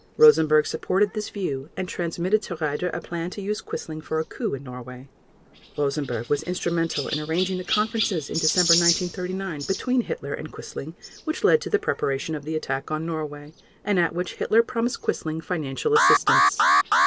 Rosenberg supported this view, and transmitted to Raeder a plan to use Quisling for a coup in Norway. Rosenberg was instrumental in arranging the conferences in December 1939 between Hitler and Quisling which led to the preparation of the attack on Norway, and at which Hitler promised Quisling financial assistance.